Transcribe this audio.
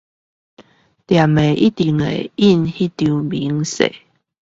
店家一定會列印那張明細